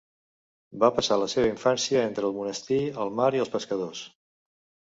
Va passar la seva infància entre el monestir, el mar i els pescadors.